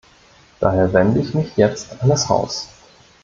Daher wende ich mich jetzt an das Haus.